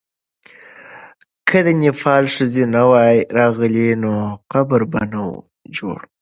که د نېپال ښځې نه وای راغلې، نو قبر به نه وو جوړ.